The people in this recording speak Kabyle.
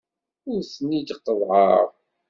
Ur ten-id-qeḍḍɛeɣ.